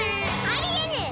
ありえねぇ！